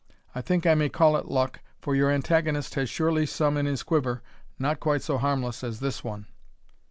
I think I may call it luck, for your antagonist has surely some in his quiver not quite so harmless as this one.